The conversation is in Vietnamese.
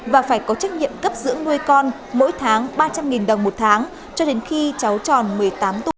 và phải có trách nhiệm cấp dưỡng nuôi con mỗi tháng ba trăm linh đồng một tháng cho đến khi cháu tròn một mươi tám tuổi